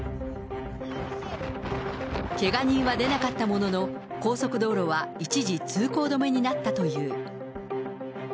けが人は出なかったものの高速道路は一時通行止めになったという。